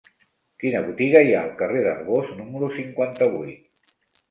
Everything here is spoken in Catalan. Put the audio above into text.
Quina botiga hi ha al carrer d'Arbós número cinquanta-vuit?